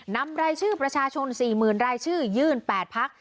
นำรายชื่อประชาชน๔๐๐๐รายชื่อยื่น๘พัก